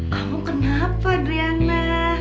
kamu kenapa triana